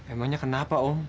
emangnya kenapa om